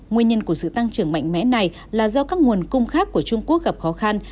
nguyên nhân của sự tăng trưởng mạnh mẽ này là do các nguồn cung khác của trung quốc gặp khó khăn